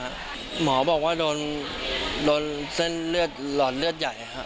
หมอบอกว่ารอดเลือดใหญ่